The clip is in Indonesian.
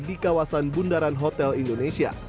di kawasan bundaran hotel indonesia